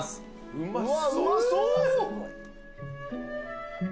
うまそう！